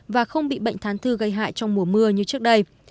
và không bị bệnh thán thư gây hại trong mùa mưa như trước đây